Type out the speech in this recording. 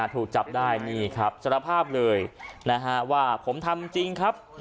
ถูกจับได้นี่ครับสารภาพเลยนะฮะว่าผมทำจริงครับ